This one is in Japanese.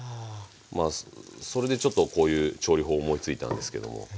まあそれでちょっとこういう調理法を思いついたんですけども。